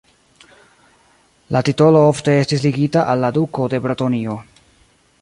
La titolo ofte estis ligita al la duko de Bretonio.